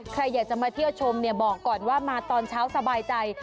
ใครอยากจะมาเที่ยวชมเนี่ยบอกก่อนว่ามาตอนเช้าสบายใจ